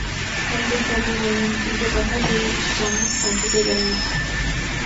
সন্দীপবাবু বললেন, কিন্তু কথা দিয়ে যান ফাঁকি দেবেন না।